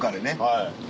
はい。